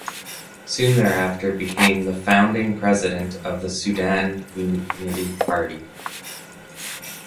Soon thereafter became the founding president of the Sudan Unity Party.